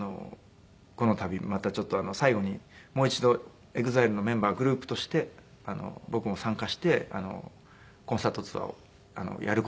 この度またちょっと最後にもう一度ＥＸＩＬＥのメンバーグループとして僕も参加してコンサートツアーをやる事になりまして。